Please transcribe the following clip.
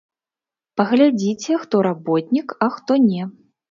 Паглядзіце, хто работнік, а хто не.